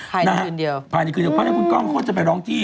ภายในคืนเดียวอืมภายในคืนเดียวพระเจ้าคุณก้องเขาจะไปร้องที่